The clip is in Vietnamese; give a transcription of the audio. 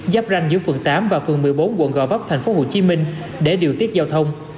dắp ranh giữa phường tám và phường một mươi bốn quận gò vấp thành phố hồ chí minh để điều tiết giao thông